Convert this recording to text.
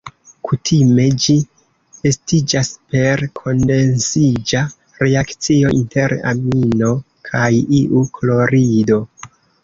Kutime ĝi estiĝas per kondensiĝa reakcio inter amino kaj iu klorido.